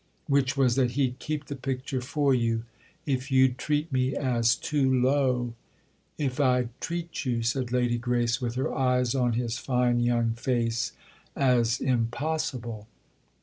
"Which was that he'd keep the picture for you if you'd treat me as too 'low'——?" "If I'd treat you," said Lady Grace with her eyes on his fine young face, "as impossible."